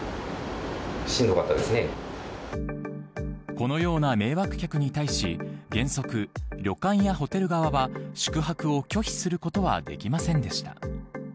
このような迷惑客に対し、原則旅館やホテル側は宿泊を拒否することはできませんでした。